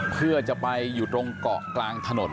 เพื่อจะไปอยู่ตรงเกาะกลางถนน